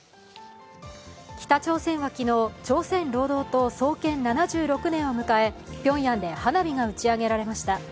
北朝鮮は昨日朝鮮労働党創建７６年を迎えピョンヤンで花火が打ち上げられました。